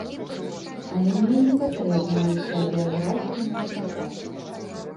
Але мне не патрэбная ўся біяграфія мастака.